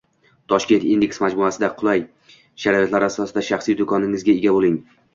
Tashkent Index majmuasida qulay shartlar asosida shaxsiy do‘koningizga ega bo‘ling